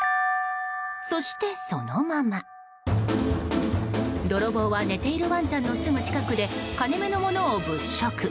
そして、そのまま泥棒は寝ているワンちゃんのすぐ近くで金目のものを物色。